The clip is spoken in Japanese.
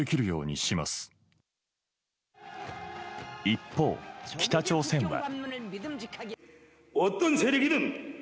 一方、北朝鮮は。